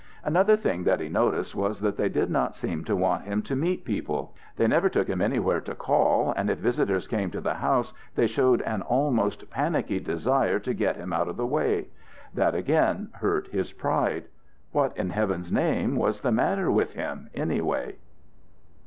Another thing that he noticed was that they did not seem to want him to meet people. They never took him anywhere to call and if visitors came to the house, they showed an almost panicky desire to get him out of the way. That again hurt his pride. What in heaven's name was the matter with him anyway!